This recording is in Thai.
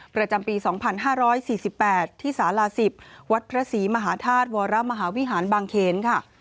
ประจำปี๒๕๔๘ที่สารา๑๐วัดพระศรีมหาธาตุวรมหาวิหารบางเขนค่ะ